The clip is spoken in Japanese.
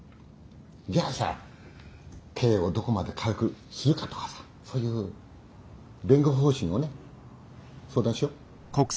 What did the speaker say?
じゃあさ刑をどこまで軽くするかとかさそういう弁護方針をね相談しよ。